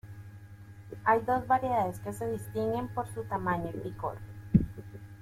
Hay dos variedades que se distinguen por su tamaño y picor.